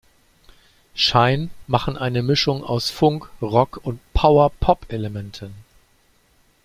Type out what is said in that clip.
Schein machen eine Mischung aus Funk, Rock und Power-Pop-Elementen.